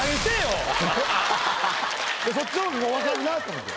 そっちの方が分かるなって思って。